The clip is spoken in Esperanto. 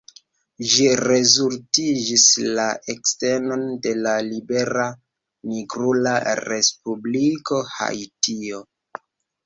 Ĝi rezultigis la ekeston de la libera nigrula respubliko Haitio.